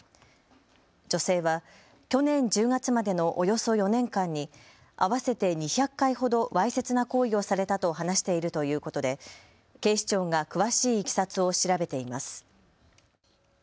女性は去年１０月までのおよそ４年間に合わせて２００回ほどわいせつな行為をされたと話しているということで警視庁が詳しいいきさつを調べています。